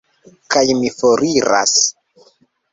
Kaj mi foriras.